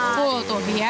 full tuh dia